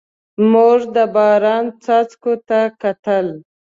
موږ د باران څاڅکو ته کتل.